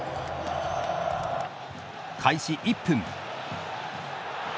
開始１分。